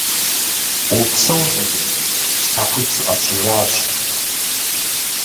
Упсэу, лӀы цӀыкӀу, щхьэхуит сыкъэпщӀыжащ.